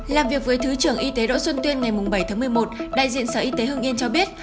làm việc với thứ trưởng y tế đỗ xuân tuyên ngày bảy tháng một mươi một đại diện sở y tế hương yên cho biết